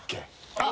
あっ！